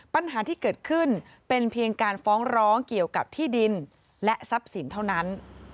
ปัญหาที่เกิดขึ้นเป็นเพียงการฟ้องร้องเกี่ยวกับที่ดินและทรัพย์สินเท่านั้น